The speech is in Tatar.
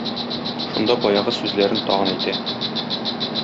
Шунда баягы сүзләрен тагын әйтә